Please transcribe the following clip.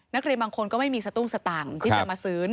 นักเรียนบางคนก็ไม่มีสตุ้งสตังค์ที่จะมาซื้อ